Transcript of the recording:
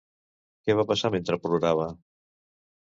Què va passar mentre plorava?